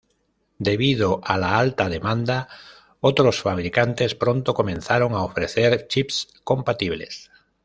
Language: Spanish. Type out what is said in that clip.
Debido a la alta demanda, otros fabricantes pronto comenzaron a ofrecer chips compatibles.